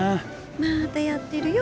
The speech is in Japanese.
またやってるよ